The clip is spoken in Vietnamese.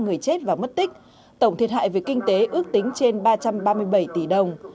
hai mươi ba người chết và mất tích tổng thiệt hại về kinh tế ước tính trên ba trăm ba mươi bảy tỷ đồng